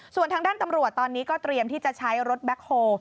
ส่วนทางด้านตำรวจตอนนี้ก็เตรียมที่จะใช้รถแบ็คโฮล